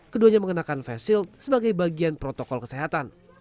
keduanya mengenakan vesil sebagai bagian protokol kesehatan